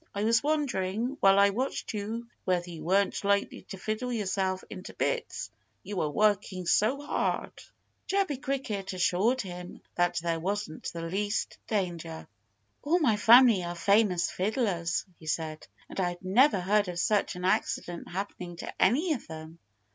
I was wondering, while I watched you, whether you weren't likely to fiddle yourself into bits you were working so hard." Chirpy Cricket assured him that there wasn't the least danger. "All my family are famous fiddlers," he said. "And I've never heard of such an accident happening to any of them."